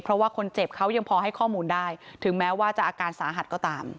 เพราะว่าคนเจ็บเขายังพอให้ข้อมูลได้ถึงแม้ว่าจะอาการสาหัสก็ตาม